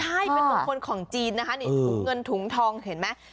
ใช่เป็นมงคลของจีนนะคะนี่ถุงเงินถุงทองเห็นไหม